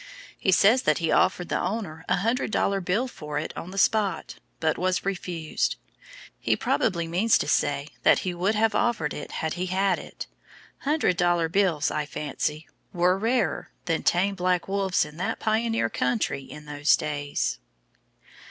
He says that he offered the owner a hundred dollar bill for it on the spot, but was refused. He probably means to say that he would have offered it had he had it. Hundred dollar bills, I fancy, were rarer than tame black wolves in that pioneer country in those days.